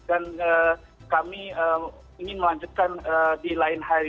dan kami ingin melanjutkan di lain hari